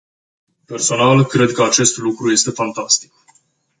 Personal, cred că acest lucru este fantastic.